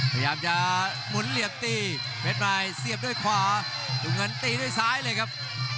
พยายามจะหมุนเหลี่ยมตีเพชรมายเสียบด้วยขวาดูเงินตีด้วยซ้ายเลยครับ